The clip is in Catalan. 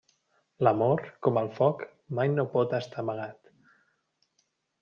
L'amor, com el foc, mai no pot estar amagat.